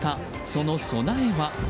その備えは？